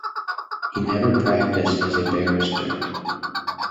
He never practised as a barrister.